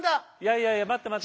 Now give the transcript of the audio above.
いやいや待って待って。